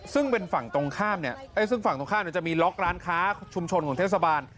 ซึ่งเป็นฝั่งตรงข้ามจะมีล็อคร้านค้าชุมชนของเทศบาล